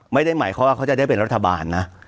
ไม่ได้หมายความว่าเขาจะได้เป็นรัฐบาลนะ